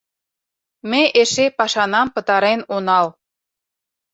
Ме эше пашанам пытарен онал.